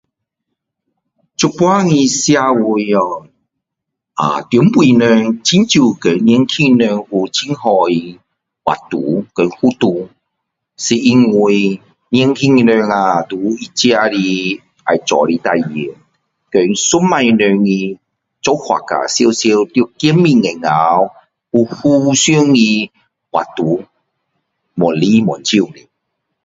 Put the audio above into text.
现在的社会呀，对我们很少跟年轻人有很好的活动跟运动是因为年轻的人呀有他自己的要做的事情跟以前的人做法是有见面有互动的活动越来越少